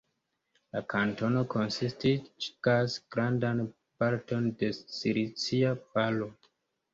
La kantono konsistigas grandan parton de la Silicia Valo.